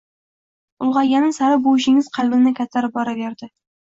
Ulgʻayganim sari bu ishingiz qalbimda kattarib boraverdi.